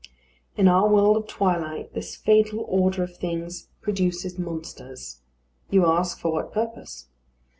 In our world of twilight this fatal order of things produces monsters. You ask for what purpose.